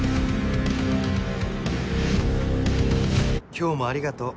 今日もありがとう。